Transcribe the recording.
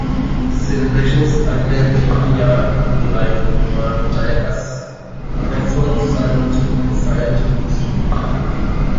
Celebrations are held every year in July to honor Jayaque's patron saint, Saint Christopher.